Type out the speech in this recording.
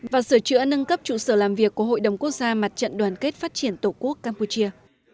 và sửa chữa nâng cấp trụ sở làm việc của hội đồng quốc gia mặt trận đoàn kết phát triển tổ quốc campuchia